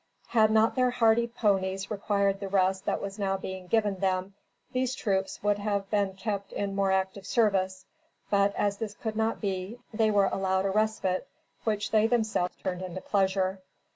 Had not their hardy ponies required the rest that was now being given them, these troops would have been kept in more active service; but, as this could not be, they were allowed a respite, which they themselves turned into pleasure.